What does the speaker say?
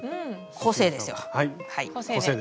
個性です。